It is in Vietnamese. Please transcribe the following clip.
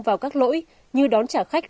vào các lỗi như đón trả khách